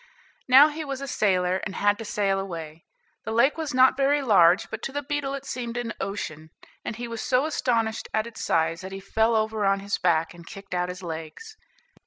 Now he was a sailor, and had to sail away. The lake was not very large, but to the beetle it seemed an ocean, and he was so astonished at its size that he fell over on his back, and kicked out his legs.